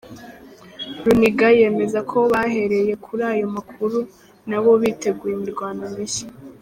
Runiga yemeza ko bahereye kuri ayo makuru nabo biteguye imirwano mishya.